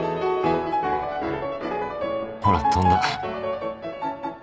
ほら飛んだ